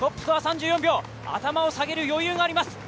頭を下げる余裕があります。